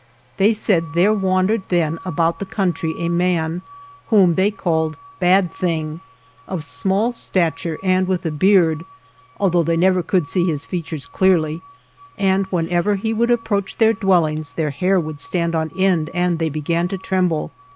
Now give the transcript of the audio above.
They said there wandered then about the country a man, whom they 108 ALVAR NUNEZ CABEZA DE VACA called "Bad Thing," of small stature and with a beard, although they never could see his features clearly, and whenever he would approach their dwellings their hair would stand on end and they began to tremble.